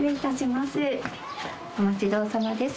おまちどおさまです